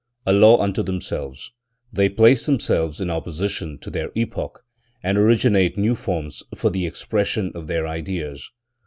A law unto themselves, they place themselves in opposition to their epoch and originate new forms for the expression of their ideas.